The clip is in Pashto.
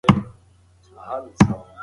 ګډ هېواد د ټولو دی.